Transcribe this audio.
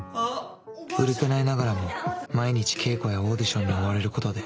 売れてないながらも毎日稽古やオーディションに追われることで